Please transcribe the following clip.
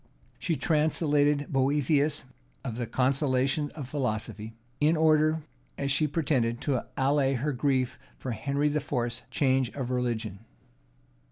She translated Boethius of the Consolation of Philosophy; in order, as she pretended, to allay her grief for Henry IV.'s change of religion.